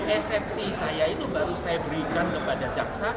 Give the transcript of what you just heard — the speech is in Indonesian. eksepsi saya itu baru saya berikan kepada jaksa